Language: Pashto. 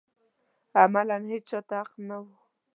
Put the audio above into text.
عملاً هېچا ته حق نه و